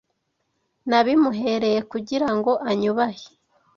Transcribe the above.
nabimuhereye kugira ngo anyubahe